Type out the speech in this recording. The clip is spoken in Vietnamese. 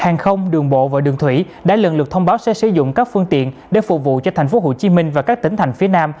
hàng không đường bộ và đường thủy đã lần lượt thông báo sẽ sử dụng các phương tiện để phục vụ cho tp hcm và các tỉnh thành phía nam